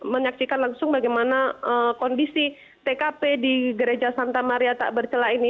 menyaksikan langsung bagaimana kondisi tkp di gereja santa maria takbercelah ini